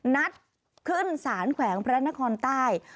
นัดขึ้นสารแขวงพระนครใต้